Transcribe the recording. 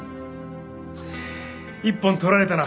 一本取られたな。